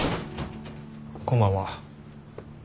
こんばんは。